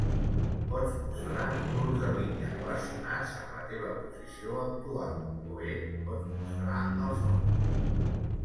Pots mostrar números de línia relacionats amb la teva posició actual, o bé pots mostrar els números.